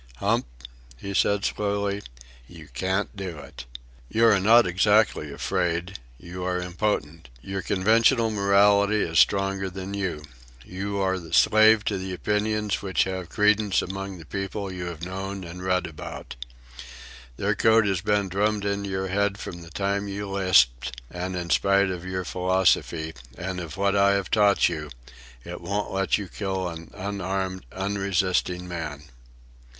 "Hump," he said slowly, "you can't do it. You are not exactly afraid. You are impotent. Your conventional morality is stronger than you. You are the slave to the opinions which have credence among the people you have known and have read about. Their code has been drummed into your head from the time you lisped, and in spite of your philosophy, and of what I have taught you, it won't let you kill an unarmed, unresisting man."